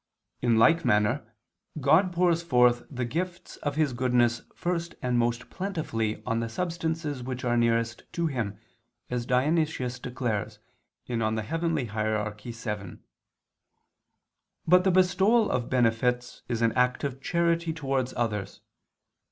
In like manner God pours forth the gifts of His goodness first and most plentifully on the substances which are nearest to Him, as Dionysius declares (Coel. Hier. vii). But the bestowal of benefits is an act of charity towards others.